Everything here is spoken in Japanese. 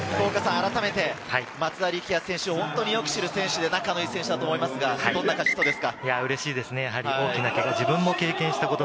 あらためて松田力也選手、本当によく知る選手で、仲のいい選手だと思いますが、どんな人ですか？